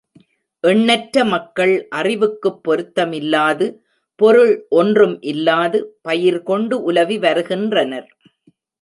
எண்ணற்ற மக்கள் அறிவுக்குப் பொருத்தமில்லாது, பொருள் ஒன்றும் இல்லாது, பயிர்கொண்டு உலவி வருகின்றனர்.